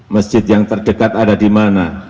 masjid yang terdekat ada di mana